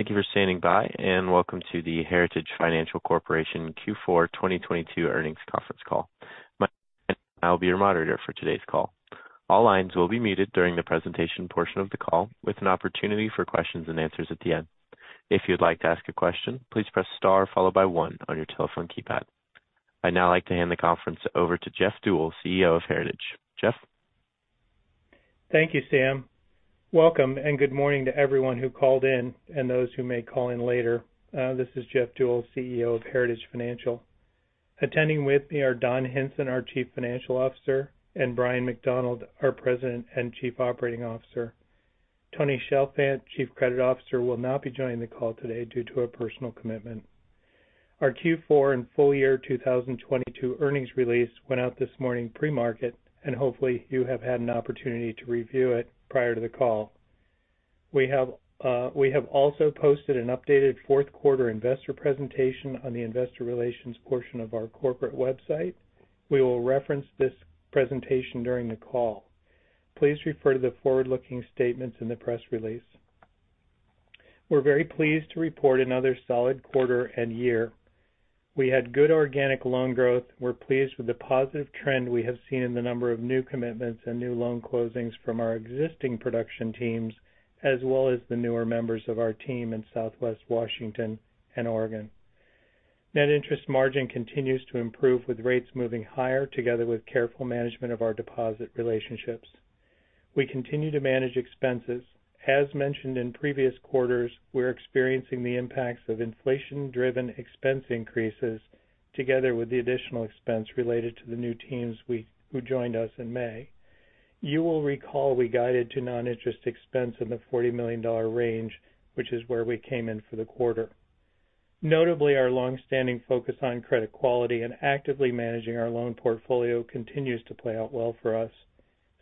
Thank you for standing by, welcome to the Heritage Financial Corporation Q4 2022 Earnings Conference Call. My name is Sam, I'll be your moderator for today's call. All lines will be muted during the presentation portion of the call with an opportunity for questions and answers at the end. If you'd like to ask a question, please press star followed by one on your telephone keypad. I'd now like to hand the conference over to Jeffrey Deuel, CEO of Heritage. Jeff? Thank you, Sam. Welcome and good morning to everyone who called in and those who may call in later. This is Jeffrey Deuel, CEO of Heritage Financial. Attending with me are Donald Hinson, our Chief Financial Officer, and Bryan McDonald, our President and Chief Operating Officer. Tony Chalfant, Chief Credit Officer, will not be joining the call today due to a personal commitment. Our Q4 and full year 2022 earnings release went out this morning pre-market, and hopefully you have had an opportunity to review it prior to the call. We have also posted an updated fourth quarter investor presentation on the investor relations portion of our corporate website. We will reference this presentation during the call. Please refer to the forward-looking statements in the press release. We're very pleased to report another solid quarter and year. We had good organic loan growth. We're pleased with the positive trend we have seen in the number of new commitments and new loan closings from our existing production teams, as well as the newer members of our team in Southwest Washington and Oregon. Net interest margin continues to improve with rates moving higher together with careful management of our deposit relationships. We continue to manage expenses. As mentioned in previous quarters, we're experiencing the impacts of inflation-driven expense increases together with the additional expense related to the new teams we, who joined us in May. You will recall we guided to non-interest expense in the $40 million range, which is where we came in for the quarter. Notably, our long-standing focus on credit quality and actively managing our loan portfolio continues to play out well for us.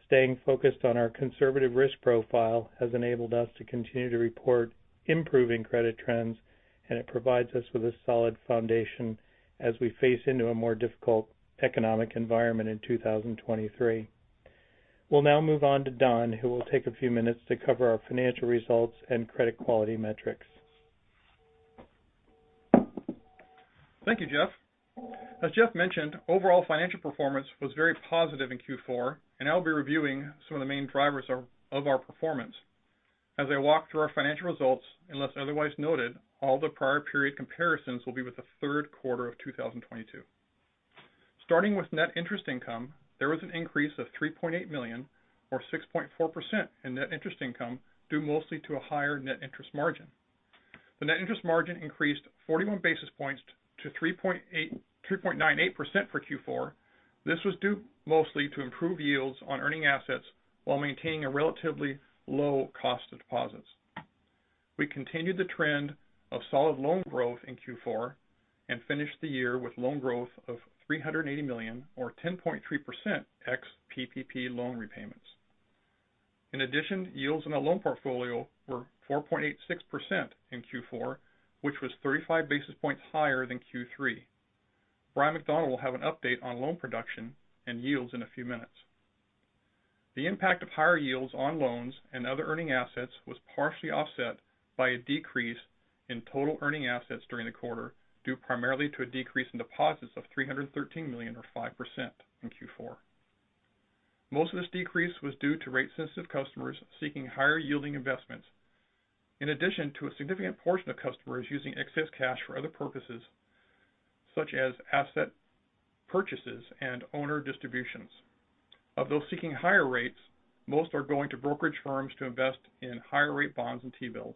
Staying focused on our conservative risk profile has enabled us to continue to report improving credit trends, and it provides us with a solid foundation as we face into a more difficult economic environment in 2023. We'll now move on to Don, who will take a few minutes to cover our financial results and credit quality metrics. Thank you, Jeff. As Jeff mentioned, overall financial performance was very positive in Q4, and I'll be reviewing some of the main drivers of our performance. As I walk through our financial results, unless otherwise noted, all the prior period comparisons will be with the third quarter of 2022. Starting with net interest income, there was an increase of $3.8 million or 6.4% in net interest income, due mostly to a higher net interest margin. The net interest margin increased 41 basis points to 3.98% for Q4. This was due mostly to improved yields on earning assets while maintaining a relatively low cost of deposits. We continued the trend of solid loan growth in Q4, finished the year with loan growth of $380 million or 10.3% ex-PPP loan repayments. Yields in the loan portfolio were 4.86% in Q4, which was 35 basis points higher than Q3. Bryan McDonald will have an update on loan production and yields in a few minutes. The impact of higher yields on loans and other earning assets was partially offset by a decrease in total earning assets during the quarter, due primarily to a decrease in deposits of $313 million or 5% in Q4. Most of this decrease was due to rate-sensitive customers seeking higher-yielding investments. A significant portion of customers using excess cash for other purposes, such as asset purchases and owner distributions. Of those seeking higher rates, most are going to brokerage firms to invest in higher rate bonds and T-bills.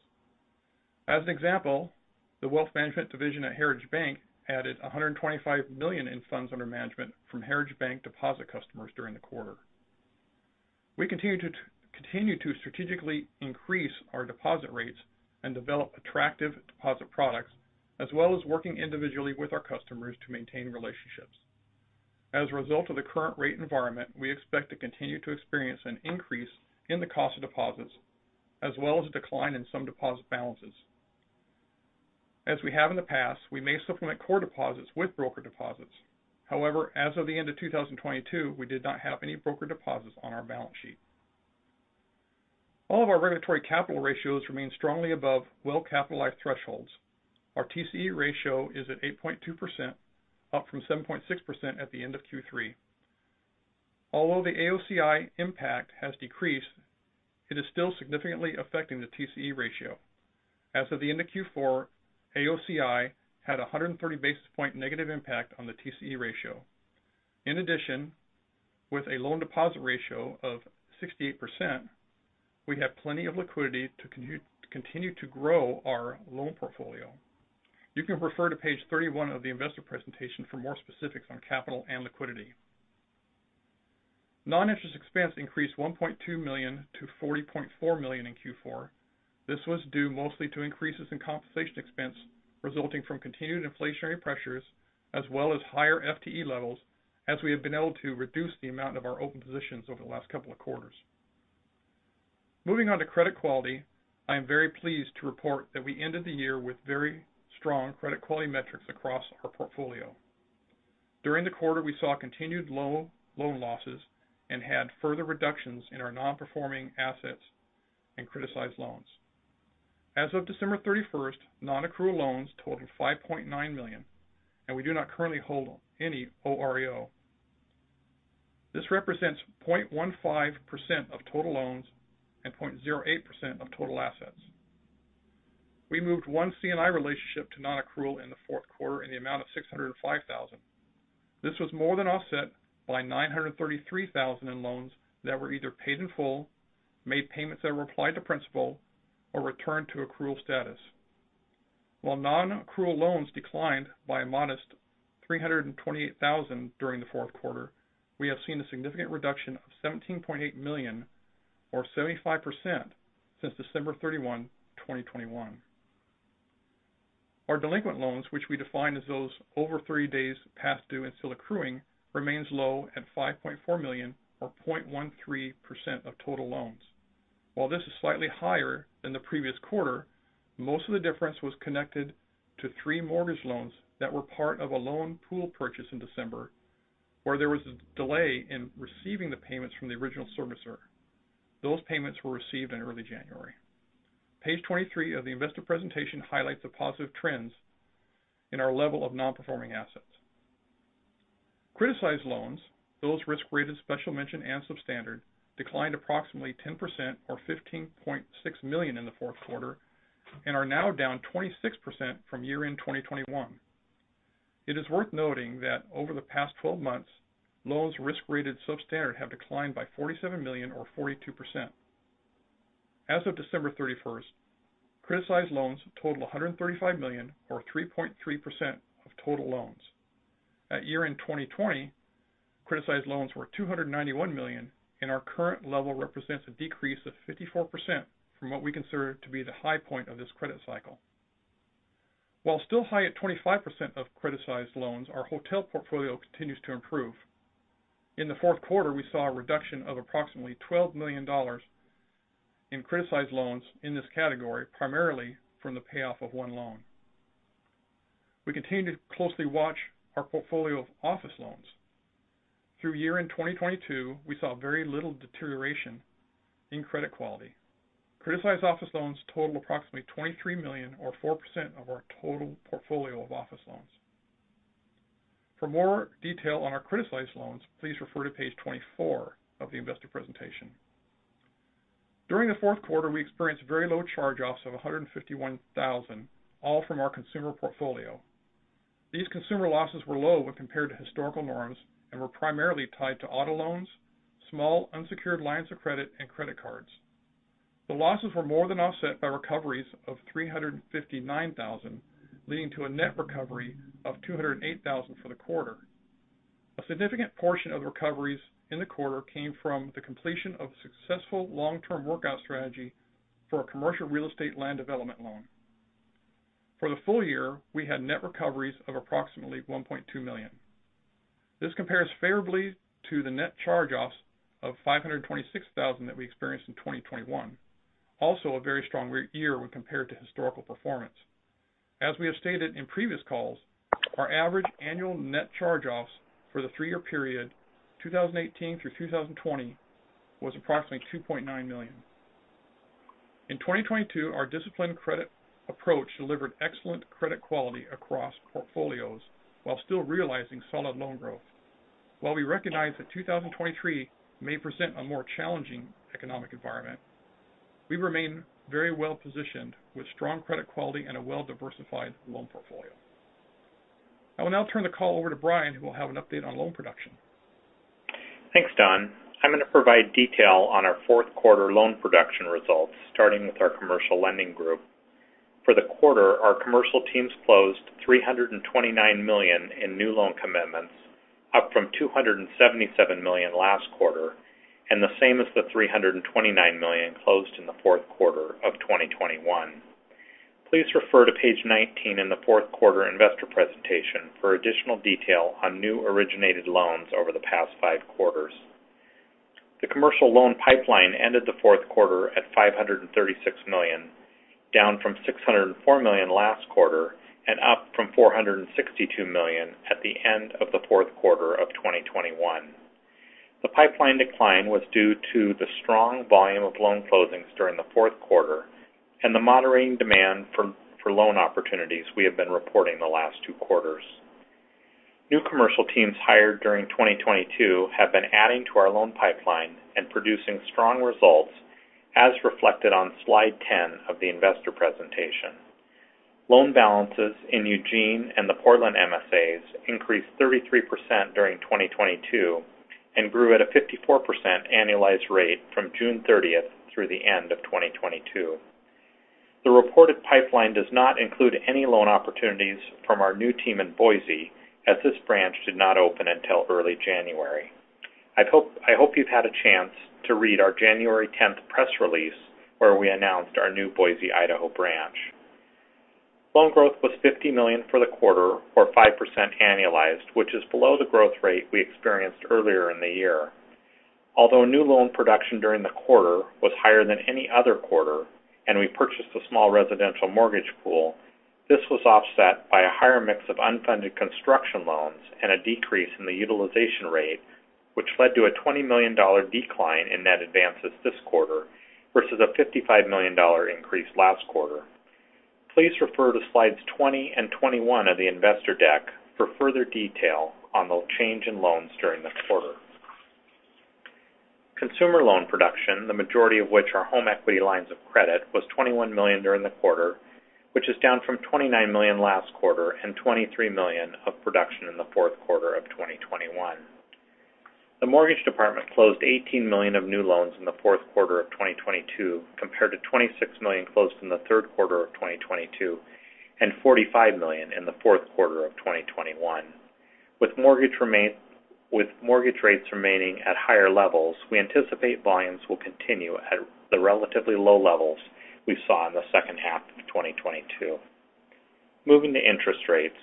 As an example, the wealth management division at Heritage Bank added $125 million in funds under management from Heritage Bank deposit customers during the quarter. We continue to strategically increase our deposit rates and develop attractive deposit products, as well as working individually with our customers to maintain relationships. As a result of the current rate environment, we expect to continue to experience an increase in the cost of deposits as well as a decline in some deposit balances. As we have in the past, we may supplement core deposits with broker deposits. However, as of the end of 2022, we did not have any broker deposits on our balance sheet. All of our regulatory capital ratios remain strongly above well-capitalized thresholds. Our TCE ratio is at 8.2%, up from 7.6% at the end of Q3. The AOCI impact has decreased, it is still significantly affecting the TCE ratio. As of the end of Q4, AOCI had a 130 basis point negative impact on the TCE ratio. With a loan deposit ratio of 68%, we have plenty of liquidity to continue to grow our loan portfolio. You can refer to page 31 of the investor presentation for more specifics on capital and liquidity. Non-interest expense increased $1.2 million to $40.4 million in Q4. This was due mostly to increases in compensation expense resulting from continued inflationary pressures as well as higher FTE levels as we have been able to reduce the amount of our open positions over the last couple of quarters. Moving on to credit quality, I am very pleased to report that we ended the year with very strong credit quality metrics across our portfolio. During the quarter, we saw continued low loan losses and had further reductions in our non-performing assets and criticized loans. As of December 31st, non-accrual loans totaled $5.9 million, and we do not currently hold any OREO. This represents 0.15% of total loans and 0.08% of total assets. We moved one C&I relationship to non-accrual in the fourth quarter in the amount of $605,000. This was more than offset by $933,000 in loans that were either paid in full, made payments that were applied to principal, or returned to accrual status. While non-accrual loans declined by a modest $328,000 during the fourth quarter, we have seen a significant reduction of $17.8 million, or 75%, since December 31, 2021. Our delinquent loans, which we define as those over 30 days past due and still accruing, remains low at $5.4 million or 0.13% of total loans. While this is slightly higher than the previous quarter, most of the difference was connected to three mortgage loans that were part of a loan pool purchase in December, where there was a delay in receiving the payments from the original servicer. Those payments were received in early January. Page 23 of the investor presentation highlights the positive trends in our level of non-performing assets. Criticized loans, those risk-rated special mention and substandard, declined approximately 10% or $15.6 million in the fourth quarter and are now down 26% from year-end 2021. It is worth noting that over the past 12 months, loans risk-rated substandard have declined by $47 million or 42%. As of December 31st, criticized loans total $135 million or 3.3% of total loans. At year-end 2020, criticized loans were $291 million, and our current level represents a decrease of 54% from what we consider to be the high point of this credit cycle. While still high at 25% of criticized loans, our hotel portfolio continues to improve. In the fourth quarter, we saw a reduction of approximately $12 million in criticized loans in this category, primarily from the payoff of one loan. We continue to closely watch our portfolio of office loans. Through year-end 2022, we saw very little deterioration in credit quality. Criticized office loans total approximately $23 million or 4% of our total portfolio of office loans. For more detail on our criticized loans, please refer to page 24 of the investor presentation. During the fourth quarter, we experienced very low charge-offs of $151,000, all from our consumer portfolio. These consumer losses were low when compared to historical norms and were primarily tied to auto loans, small unsecured lines of credit, and credit cards. The losses were more than offset by recoveries of $359,000, leading to a net recovery of $208,000 for the quarter. A significant portion of the recoveries in the quarter came from the completion of successful long-term workout strategy for a commercial real estate land development loan. For the full year, we had net recoveries of approximately $1.2 million. This compares favorably to the net charge-offs of $526,000 that we experienced in 2021. A very strong year when compared to historical performance. As we have stated in previous calls, our average annual net charge-offs for the 3-year period, 2018 through 2020, was approximately $2.9 million. In 2022, our disciplined credit approach delivered excellent credit quality across portfolios while still realizing solid loan growth. While we recognize that 2023 may present a more challenging economic environment, we remain very well-positioned with strong credit quality and a well-diversified loan portfolio. I will now turn the call over to Bryan, who will have an update on loan production. Thanks, Don. I'm gonna provide detail on our fourth quarter loan production results, starting with our commercial lending group. For the quarter, our commercial teams closed $329 million in new loan commitments, up from $277 million last quarter and the same as the $329 million closed in the fourth quarter of 2021. Please refer to page 19 in the fourth quarter investor presentation for additional detail on new originated loans over the past five quarters. The commercial loan pipeline ended the fourth quarter at $536 million, down from $604 million last quarter and up from $462 million at the end of the fourth quarter of 2021. The pipeline decline was due to the strong volume of loan closings during the fourth quarter and the moderating demand for loan opportunities we have been reporting the last two quarters. New commercial teams hired during 2022 have been adding to our loan pipeline and producing strong results, as reflected on slide 10 of the investor presentation. Loan balances in Eugene and the Portland MSAs increased 33% during 2022 and grew at a 54% annualized rate from June 30th through the end of 2022. The reported pipeline does not include any loan opportunities from our new team in Boise, as this branch did not open until early January. I hope you've had a chance to read our January 10th press release, where we announced our new Boise, Idaho branch. Loan growth was $50 million for the quarter, or 5% annualized, which is below the growth rate we experienced earlier in the year. New loan production during the quarter was higher than any other quarter and we purchased a small residential mortgage pool, this was offset by a higher mix of unfunded construction loans and a decrease in the utilization rate, which led to a $20 million decline in net advances this quarter versus a $55 million increase last quarter. Please refer to slides 20 and 21 of the investor deck for further detail on the change in loans during the quarter. Consumer loan production, the majority of which are home equity lines of credit, was $21 million during the quarter, which is down from $29 million last quarter and $23 million of production in the fourth quarter of 2021. The mortgage department closed $18 million of new loans in the fourth quarter of 2022 compared to $26 million closed in the third quarter of 2022 and $45 million in the fourth quarter of 2021. With mortgage rates remaining at higher levels, we anticipate volumes will continue at the relatively low levels we saw in the second half of 2022. Moving to interest rates.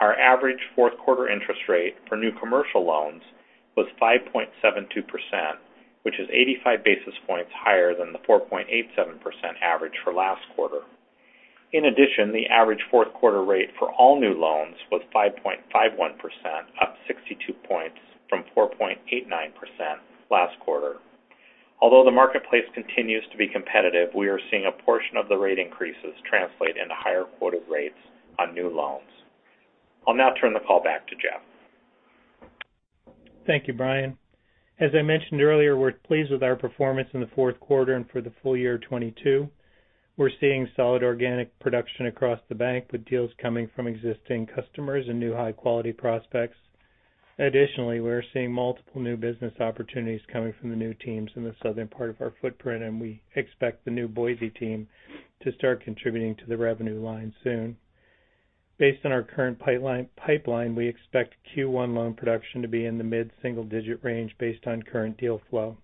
Our average fourth quarter interest rate for new commercial loans was 5.72% which is 85 basis points higher than the 4.87% average for last quarter. In addition, the average fourth quarter rate for all new loans was 5.51%, up 62 points from 4.89% last quarter. Although the marketplace continues to be competitive, we are seeing a portion of the rate increases translate into higher quoted rates on new loans. I'll now turn the call back to Jeff. Thank you, Bryan. As I mentioned earlier, we're pleased with our performance in the fourth quarter and for the full year 2022. We're seeing solid organic production across the bank, with deals coming from existing customers and new high-quality prospects. Additionally, we are seeing multiple new business opportunities coming from the new teams in the southern part of our footprint, and we expect the new Boise team to start contributing to the revenue line soon. Based on our current pipeline, we expect Q1 loan production to be in the mid-single digit range based on current deal flow.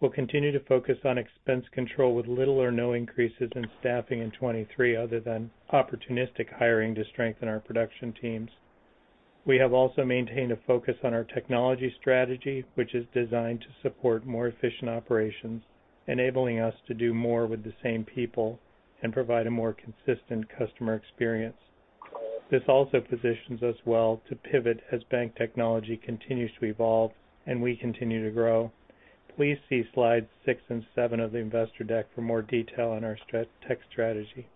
We'll continue to focus on expense control with little or no increases in staffing in 2023 other than opportunistic hiring to strengthen our production teams. We have also maintained a focus on our technology strategy, which is designed to support more efficient operations, enabling us to do more with the same people and provide a more consistent customer experience. This also positions us well to pivot as bank technology continues to evolve and we continue to grow. Please see slides six and seven of the investor deck for more detail on our tech strategy.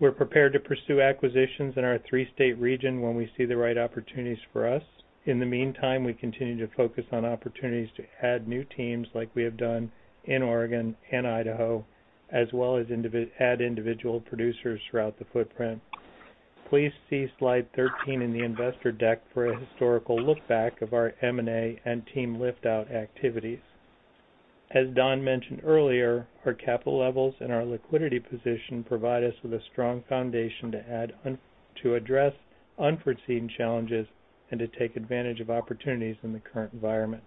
We're prepared to pursue acquisitions in our three-state region when we see the right opportunities for us. In the meantime, we continue to focus on opportunities to add new teams like we have done in Oregon and Idaho, as well as add individual producers throughout the footprint. Please see slide 13 in the investor deck for a historical look back of our M&A and team lift-out activities. As Don mentioned earlier, our capital levels and our liquidity position provide us with a strong foundation to address unforeseen challenges and to take advantage of opportunities in the current environment.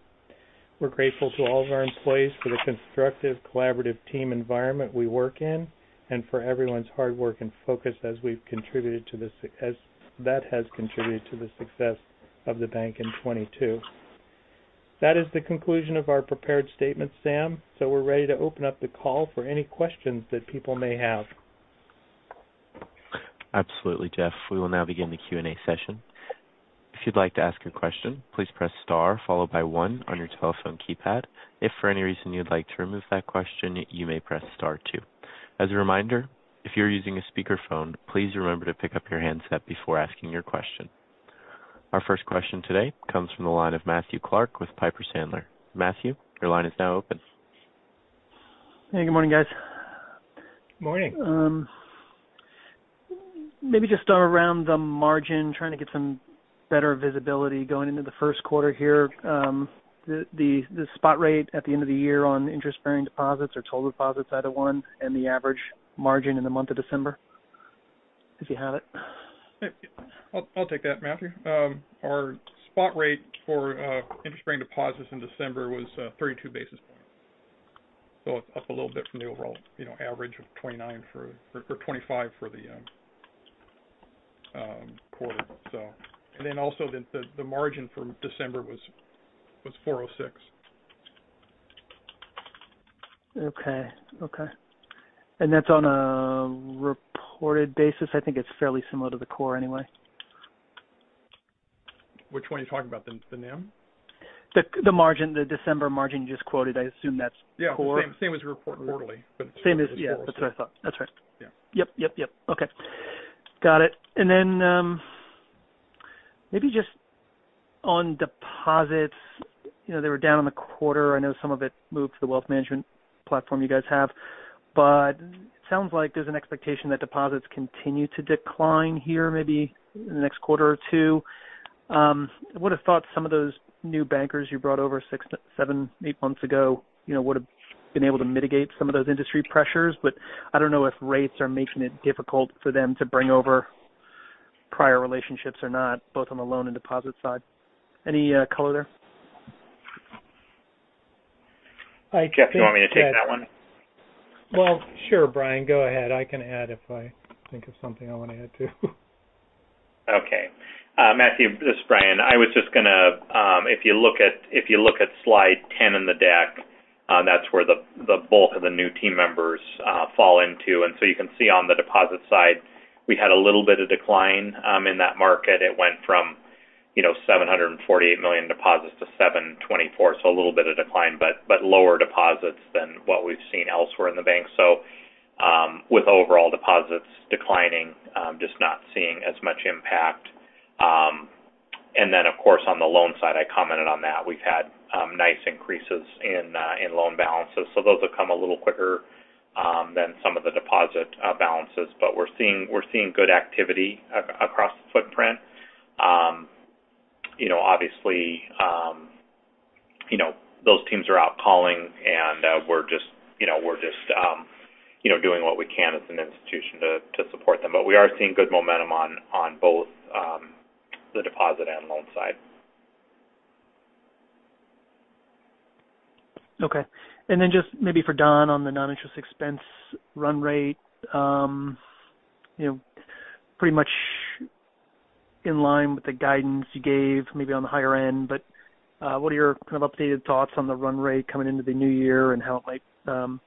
We're grateful to all of our employees for the constructive, collaborative team environment we work in and for everyone's hard work and focus as that has contributed to the success of the bank in 22. That is the conclusion of our prepared statement, Sam. We're ready to open up the call for any questions that people may have. Absolutely, Jeff. We will now begin the Q&A session. If you'd like to ask a question, please press star followed by one on your telephone keypad. If for any reason you'd like to remove that question, you may press star two. As a reminder, if you're using a speaker phone, please remember to pick up your handset before asking your question. Our first question today comes from the line of Matthew Clark with Piper Sandler. Matthew, your line is now open. Hey, good morning, guys. Morning. Maybe just start around the margin, trying to get some better visibility going into the first quarter here. The spot rate at the end of the year on interest-bearing deposits or total deposits, either one, and the average margin in the month of December, if you have it. I'll take that, Matthew. Our spot rate for interest-bearing deposits in December was 32 basis points, up a little bit from the overall, you know, average of 29 or 25 for the quarter. Also, the margin for December was 406. Okay. Okay. That's on a reported basis? I think it's fairly similar to the core anyway. Which one are you talking about, the NIM? The margin, the December margin you just quoted. I assume that's core. Yeah. Same as we report quarterly, but- Same as... Yeah, that's what I thought. That's right. Yeah. Yep, yep. Okay. Got it. Maybe just on deposits, you know, they were down in the quarter. I know some of it moved to the wealth management platform you guys have, but it sounds like there's an expectation that deposits continue to decline here maybe in the next quarter or two. I would have thought some of those new bankers you brought over six to seven, eight months ago, you know, would have been able to mitigate some of those industry pressures. I don't know if rates are making it difficult for them to bring over prior relationships or not, both on the loan and deposit side. Any color there? Jeff, do you want me to take that one? Well, sure, Bryan, go ahead. I can add if I think of something I want to add too. Okay. Matthew, this is Bryan. I was just gonna, if you look at slide 10 in the deck, that's where the bulk of the new team members fall into. You can see on the deposit side, we had a little bit of decline in that market. It went from, you know, $748 million deposits to $724 million, a little bit of decline, but lower deposits than what we've seen elsewhere in the bank. With overall deposits declining, just not seeing as much impact. Of course, on the loan side, I commented on that. We've had nice increases in loan balances. Those will come a little quicker than some of the deposit balances. We're seeing good activity across the footprint. You know, obviously, you know, those teams are out calling and, we're just, you know, doing what we can as an institution to support them. We are seeing good momentum on both, the deposit and loan side. Okay. Just maybe for Don on the non-interest expense run rate, you know, pretty much in line with the guidance you gave maybe on the higher end, but, what are your kind of updated thoughts on the run rate coming into the new year and how it might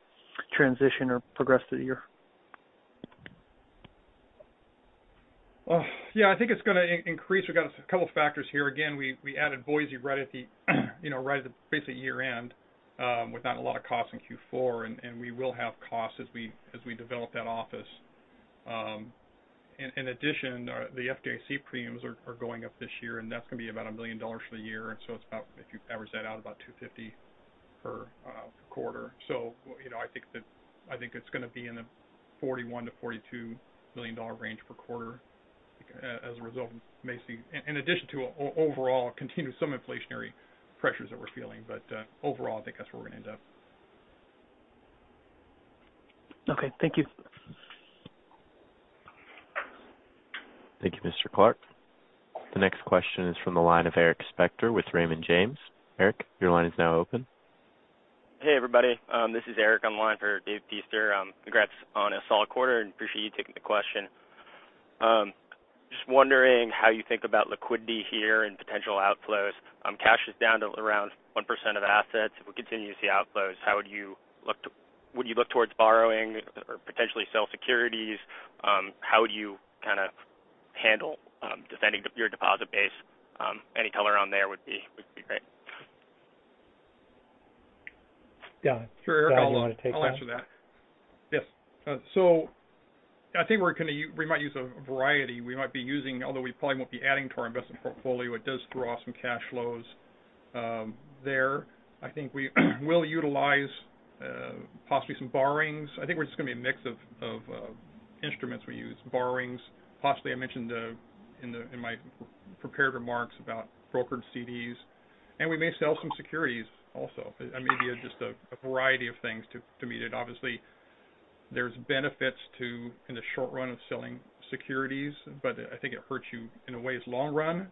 transition or progress through the year? Well, yeah, I think it's gonna increase. We've got a couple factors here. We added Boise right at the, you know, right at the basically year-end, with not a lot of cost in Q4, and we will have costs as we develop that office. In addition, the FDIC premiums are going up this year, and that's gonna be about $1 million for the year. It's about, if you average that out, about $250 per quarter. You know, I think it's gonna be in the $41 million-$42 million range per quarter as a result of Macy. In addition to overall, continue some inflationary pressures that we're feeling. Overall, I think that's where we're gonna end up. Okay. Thank you. Thank you, Mr. Clark. The next question is from the line of Eric Spector with Raymond James. Eric, your line is now open. Hey, everybody. This is Eric on the line for David Feaster. Congrats on a solid quarter and appreciate you taking the question. Just wondering how you think about liquidity here and potential outflows. Cash is down to around 1% of assets. If we continue to see outflows, how would you look towards borrowing or potentially sell securities? How would you kind of handle defending your deposit base? Any color on there would be great. Yeah. Sure, Eric. I'll answer that. Yes. I think we might use a variety. We might be using, although we probably won't be adding to our investment portfolio, it does throw off some cash flows there. I think we will utilize possibly some borrowings. I think we're just gonna be a mix of instruments we use. Borrowings, possibly I mentioned in my prepared remarks about brokered CDs, we may sell some securities also. Maybe just a variety of things to meet it. Obviously, there's benefits to in the short run of selling securities, I think it hurts you in a way it's long run.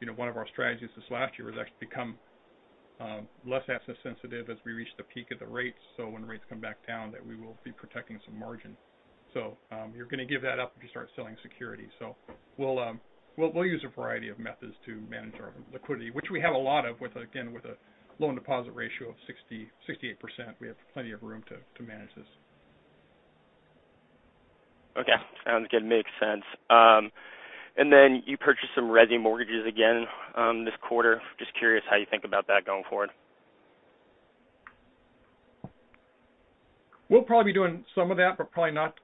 you know, one of our strategies this last year was actually become less asset sensitive as we reach the peak of the rates. When rates come back down that we will be protecting some margin. You're gonna give that up if you start selling securities. We'll use a variety of methods to manage our liquidity, which we have a lot of with, again, with a loan deposit ratio of 60-68%. We have plenty of room to manage this. Okay. Sounds good. Makes sense. You purchased some resi mortgages again, this quarter. Just curious how you think about that going forward. We'll probably be doing some of that, but probably not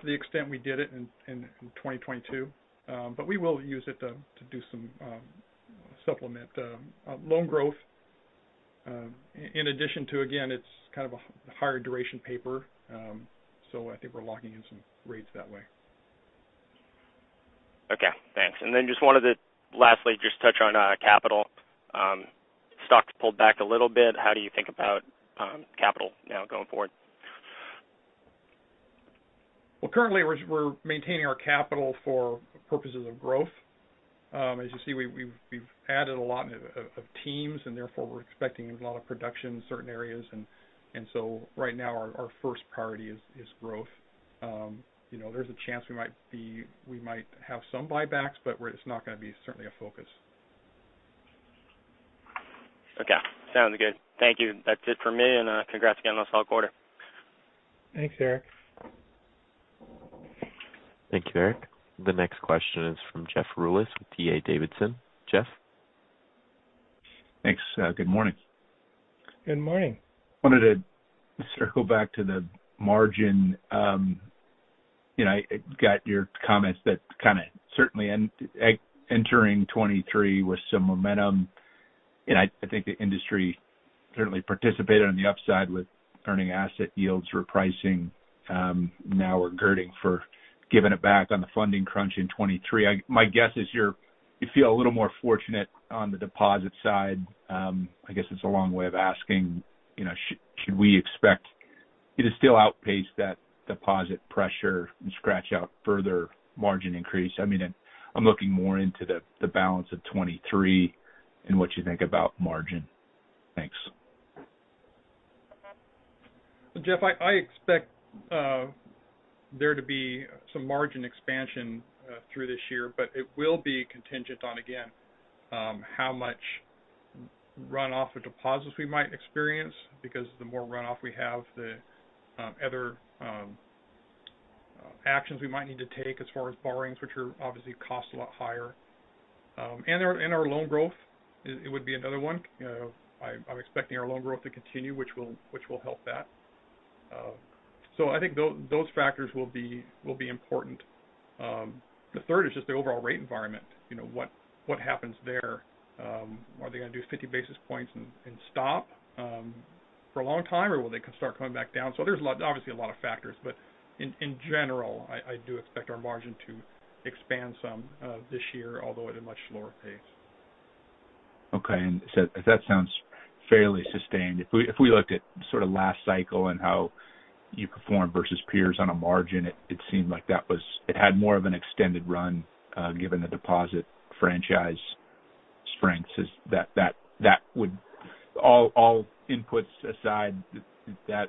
to the extent we did it in 2022. We will use it to do some supplement loan growth. In addition to again, it's kind of a higher duration paper. I think we're locking in some rates that way. Okay. Thanks. Just wanted to lastly just touch on capital. stock's pulled back a little bit. How do you think about capital now going forward? Well, currently, we're maintaining our capital for purposes of growth. As you see, we've added a lot of teams and therefore we're expecting a lot of production in certain areas. Right now our first priority is growth. you know, there's a chance we might have some buybacks, but it's not gonna be certainly a focus. Okay. Sounds good. Thank you. That's it for me. Congrats again on a solid quarter. Thanks, Eric. Thank you, Eric. The next question is from Jeffrey Rulis with D.A. Davidson. Jeff? Thanks. Good morning. Good morning. Wanted to circle back to the margin. you know, I got your comments that kind of certainly entering 2023 with some momentum. I think the industry certainly participated on the upside with earning asset yields repricing, now we're girding for giving it back on the funding crunch in 2023. My guess is you feel a little more fortunate on the deposit side. I guess it's a long way of asking, you know, should we expectIt is still outpaced that deposit pressure and scratch out further margin increase. I mean, I'm looking more into the balance of 2023 and what you think about margin. Thanks. Jeff, I expect there to be some margin expansion through this year, but it will be contingent on, again, how much runoff of deposits we might experience because the more runoff we have, the other actions we might need to take as far as borrowings, which are obviously cost a lot higher. And our loan growth it would be another one. You know, I'm expecting our loan growth to continue, which will help that. So I think those factors will be important. The third is just the overall rate environment. You know, what happens there? Are they gonna do 50 basis points and stop for a long time, or will they start coming back down? There's obviously a lot of factors. In general, I do expect our margin to expand some, this year, although at a much slower pace. Okay. That sounds fairly sustained. If we looked at sort of last cycle and how you performed versus peers on a margin, it seemed like it had more of an extended run, given the deposit franchise strengths. All inputs aside, that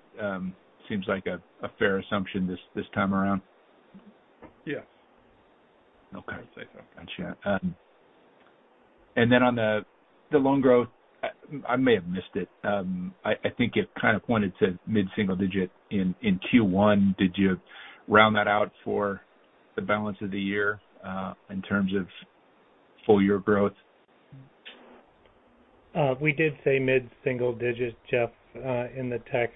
seems like a fair assumption this time around? Yes. Okay. I would say so. Gotcha. Then on the loan growth, I may have missed it. I think it kind of pointed to mid-single digit in Q1. Did you round that out for the balance of the year, in terms of full year growth? We did say mid-single digit, Jeff, in the text.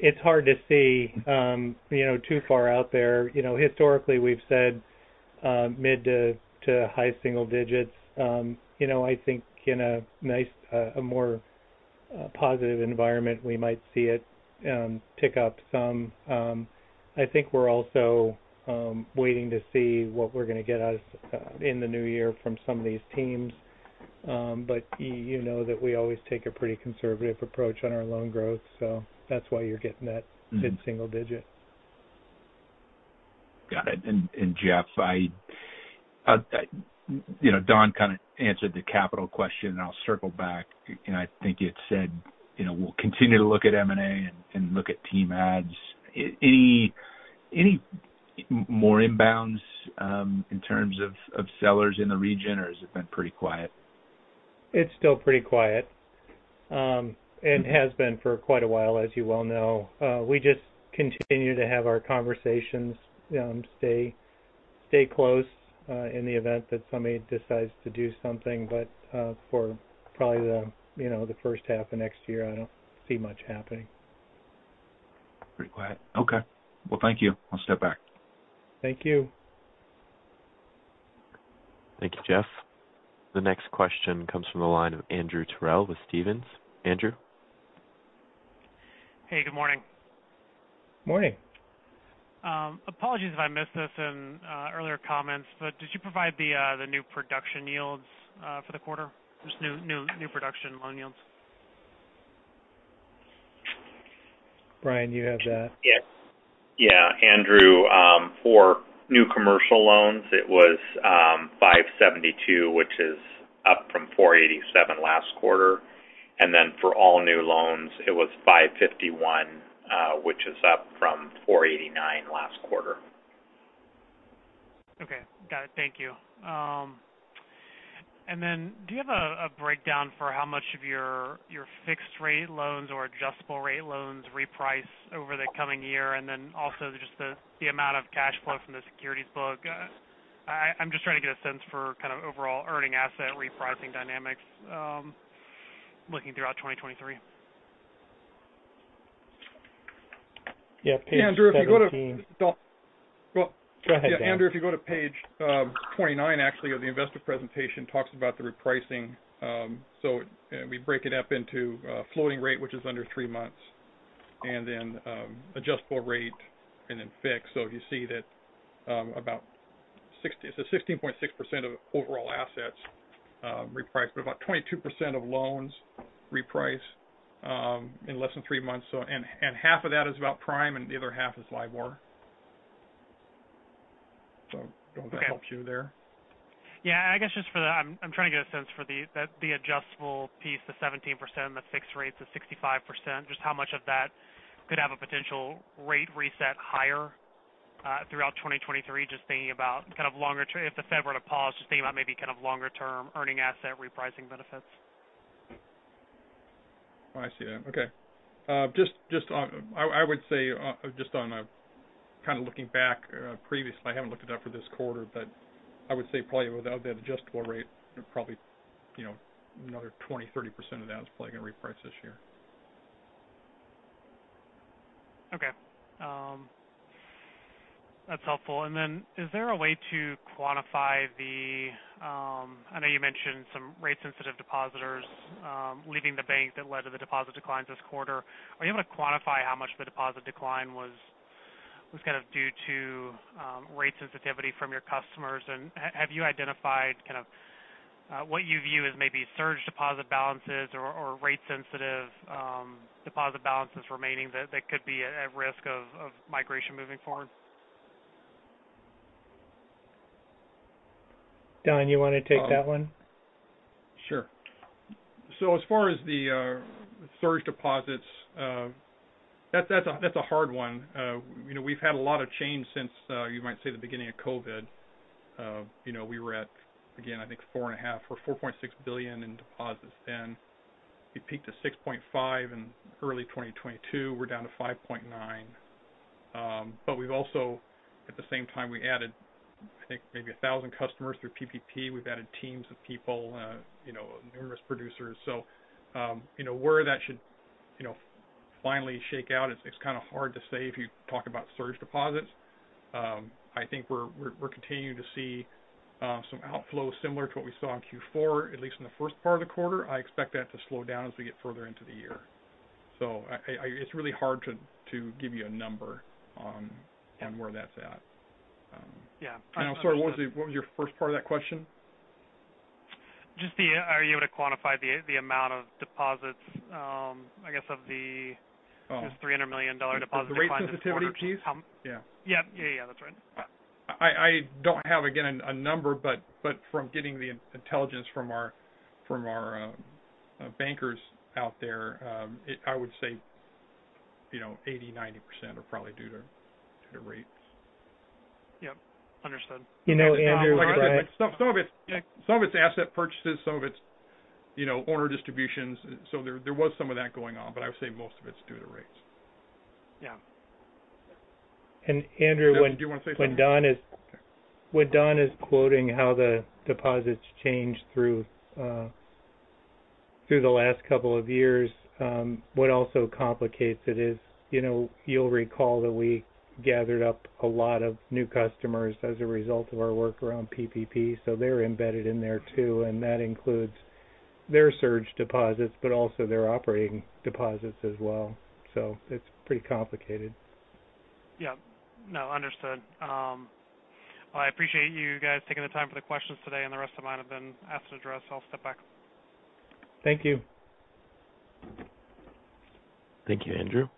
It's hard to see, you know, too far out there. You know, historically, we've said, mid to high single digits. You know, I think in a nice, a more positive environment, we might see it pick up some. I think we're also waiting to see what we're gonna get out of in the new year from some of these teams. You know that we always take a pretty conservative approach on our loan growth. That's why you're getting that mid-single digit. Got it. Jeff, I, you know, Don kind of answered the capital question, and I'll circle back. You know, I think it said, you know, we'll continue to look at M&A and look at team adds. Any more inbounds, in terms of sellers in the region, or has it been pretty quiet? It's still pretty quiet, and has been for quite a while, as you well know. We just continue to have our conversations, stay close, in the event that somebody decides to do something. For probably the, you know, the first half of next year, I don't see much happening. Pretty quiet. Okay. Well, thank you. I'll step back. Thank you. Thank you, Jeff. The next question comes from the line of Andrew Terrell with Stephens. Andrew? Hey, good morning. Morning. Apologies if I missed this in earlier comments, but did you provide the new production yields for the quarter? Just new production loan yields. Bryan, do you have that? Yes. Yeah, Andrew, for new commercial loans, it was 5.72%, which is up from 4.87% last quarter. For all new loans, it was 5.51%, which is up from 4.89% last quarter. Okay. Got it. Thank you. Do you have a breakdown for how much of your fixed rate loans or adjustable rate loans reprice over the coming year? Also just the amount of cash flow from the securities book. I'm just trying to get a sense for kind of overall earning asset repricing dynamics, looking throughout 2023. Yeah, page 17. Andrew, if you go to... Don. Go ahead, Don. Yeah, Andrew, if you go to page 29 actually of the investor presentation, it talks about the repricing. you know, we break it up into floating rate, which is under 3 months, and then adjustable rate, and then fixed. you see that about 16.6% of overall assets reprice, but about 22% of loans reprice in less than 3 months. And half of that is about prime, and the other half is LIBOR. Don't know if that helps you there. Yeah. I guess just I'm trying to get a sense for the adjustable piece, the 17% and the fixed rates of 65%, just how much of that could have a potential rate reset higher throughout 2023? Just thinking about kind of longer term if the Fed were to pause, just thinking about maybe kind of longer term earning asset repricing benefits. I see that. Okay. I would say, just on a kind of looking back, previously, I haven't looked it up for this quarter, but I would say probably of that adjustable rate, probably, you know, another 20%-30% of that is probably gonna reprice this year. Okay. That's helpful. Is there a way to quantify the, I know you mentioned some rate sensitive depositors, leaving the bank that led to the deposit declines this quarter? Are you able to quantify how much the deposit decline was kind of due to rate sensitivity from your customers? Have you identified kind of, what you view as maybe surge deposit balances or rate sensitive, deposit balances remaining that could be at risk of migration moving forward? Don, you want to take that one? Sure. As far as the surge deposits, that's a hard one. you know, we've had a lot of change since you might say the beginning of COVID. you know, we were at, again, I think four and a half or $4.6 billion in deposits then. We peaked at $6.5 billion in early 2022. We're down to $5.9 billion. We've also, at the same time, we added, I think maybe 1,000 customers through PPP. We've added teams of people, you know, numerous producers. you know, where that should, you know, finally shake out, it's kind of hard to say if you talk about surge deposits. I think we're continuing to see some outflows similar to what we saw in Q4, at least in the first part of the quarter. I expect that to slow down as we get further into the year. I, it's really hard to give you a number on where that's at. Yeah. Sorry, what was your first part of that question? Are you able to quantify the amount of deposits? Oh. This $300 million deposit The rate sensitivity piece? Yeah. Yeah. Yeah, that's right. I don't have, again, a number, but from getting the intelligence from our, from our bankers out there, I would say, you know, 80%, 90% are probably due to the rates. Yep. Understood. You know, Andrew- Some of it's asset purchases, some of it's, you know, owner distributions. There was some of that going on, I would say most of it's due to rates. Yeah. Andrew. Do you want to say something? When Don is quoting how the deposits changed through the last couple of years, what also complicates it is, you know, you'll recall that we gathered up a lot of new customers as a result of our work around PPP, so they're embedded in there too, and that includes their surge deposits, but also their operating deposits as well. It's pretty complicated. Yeah. No, understood. I appreciate you guys taking the time for the questions today. The rest of mine have been asked, addressed. I'll step back. Thank you. Thank you, Andrew.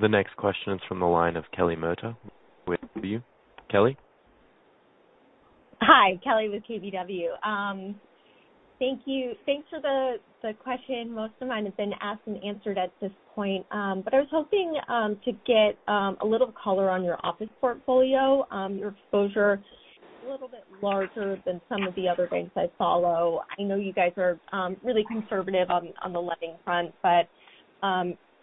The next question is from the line of Kelly Motta with KBW. Kelly? Hi, Kelly with KBW. Thank you. Thanks for the question. Most of mine has been asked and answered at this point. I was hoping to get a little color on your office portfolio. Your exposure a little bit larger than some of the other banks I follow. I know you guys are really conservative on the lending front, but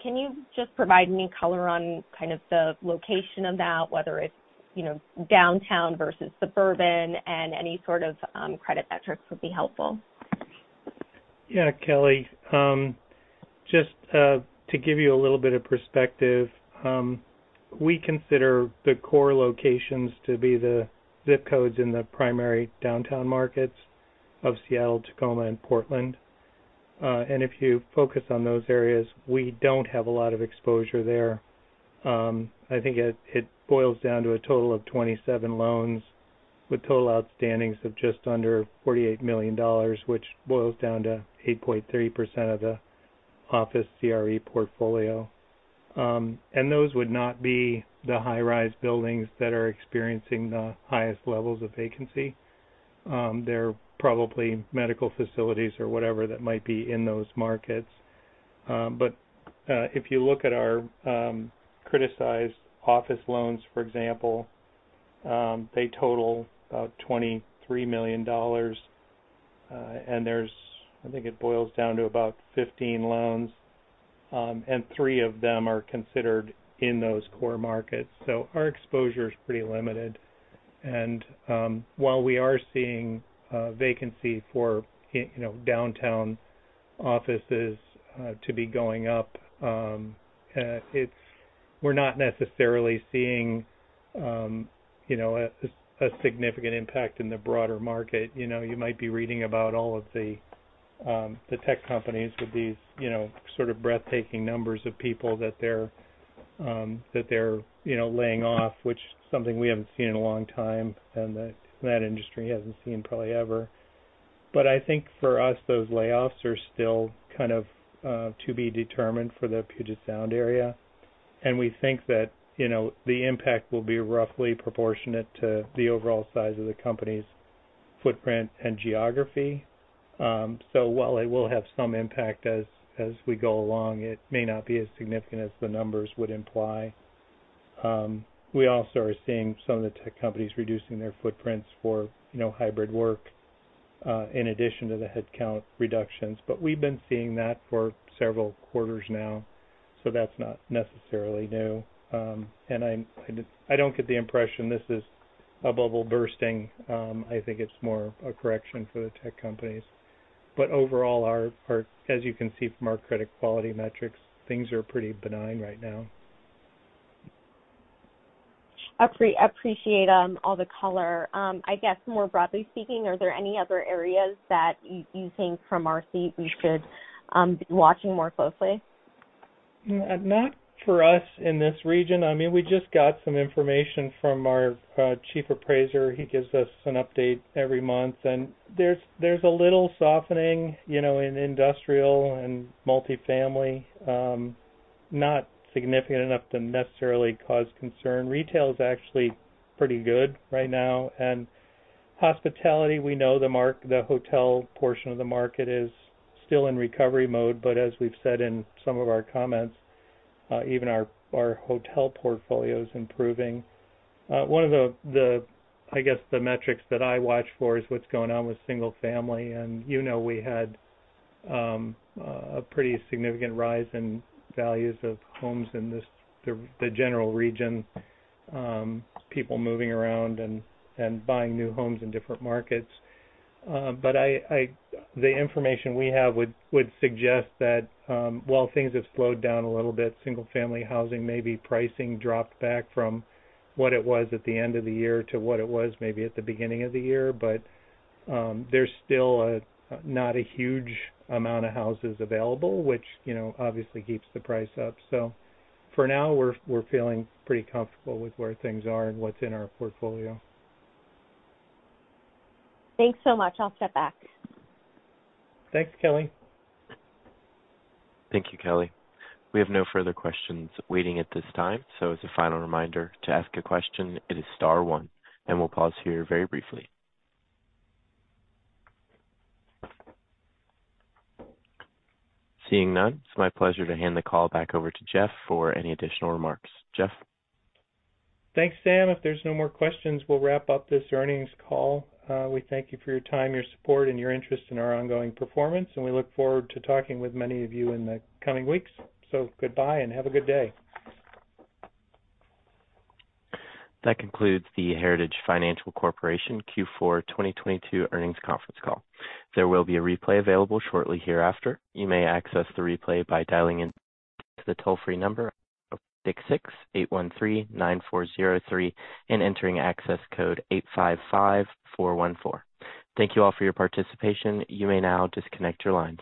can you just provide any color on kind of the location of that, whether it's, you know, downtown versus suburban and any sort of credit metrics would be helpful. Yeah, Kelly. Just to give you a little bit of perspective, we consider the core locations to be the ZIP codes in the primary downtown markets of Seattle, Tacoma, and Portland. If you focus on those areas, we don't have a lot of exposure there. I think it boils down to a total of 27 loans with total outstandings of just under $48 million, which boils down to 8.3% of the office CRE portfolio. Those would not be the high-rise buildings that are experiencing the highest levels of vacancy. They're probably medical facilities or whatever that might be in those markets. If you look at our criticized office loans, for example, they total about $23 million. I think it boils down to about 15 loans, and three of them are considered in those core markets. Our exposure is pretty limited. While we are seeing vacancy for, you know, downtown offices, to be going up, we're not necessarily seeing, you know, a significant impact in the broader market. You know, you might be reading about all of the tech companies with these, you know, sort of breathtaking numbers of people that they're that they're, you know, laying off, which something we haven't seen in a long time, and that industry hasn't seen probably ever. I think for us, those layoffs are still kind of to be determined for the Puget Sound area. We think that, you know, the impact will be roughly proportionate to the overall size of the company's footprint and geography. While it will have some impact as we go along, it may not be as significant as the numbers would imply. We also are seeing some of the tech companies reducing their footprints for, you know, hybrid work, in addition to the headcount reductions. We've been seeing that for several quarters now, so that's not necessarily new. I don't get the impression this is a bubble bursting. I think it's more a correction for the tech companies. Overall, as you can see from our credit quality metrics, things are pretty benign right now. Appreciate all the color. I guess more broadly speaking, are there any other areas that you think from our seat we should be watching more closely? Not for us in this region. I mean, we just got some information from our chief appraiser. He gives us an update every month, there's a little softening, you know, in industrial and multifamily, not significant enough to necessarily cause concern. Retail is actually pretty good right now. Hospitality, we know the hotel portion of the market is still in recovery mode, but as we've said in some of our comments, even our hotel portfolio is improving. One of the, I guess, the metrics that I watch for is what's going on with single family. You know, we had a pretty significant rise in values of homes in the general region, people moving around and buying new homes in different markets. The information we have would suggest that while things have slowed down a little bit, single family housing maybe pricing dropped back from what it was at the end of the year to what it was maybe at the beginning of the year. There's still a, not a huge amount of houses available, which, you know, obviously keeps the price up. For now we're feeling pretty comfortable with where things are and what's in our portfolio. Thanks so much. I'll step back. Thanks, Kelly. Thank you, Kelly. We have no further questions waiting at this time. As a final reminder to ask a question, it is star one. We'll pause here very briefly. Seeing none, it's my pleasure to hand the call back over to Jeff for any additional remarks. Jeff? Thanks, Sam. If there's no more questions, we'll wrap up this earnings call. We thank you for your time, your support, and your interest in our ongoing performance, and we look forward to talking with many of you in the coming weeks. Goodbye and have a good day. That concludes the Heritage Financial Corporation Q4 2022 Earnings Conference Call. There will be a replay available shortly hereafter. You may access the replay by dialing in to the toll-free number of 668-139-403 and entering access code 855414. Thank you all for your participation. You may now disconnect your lines.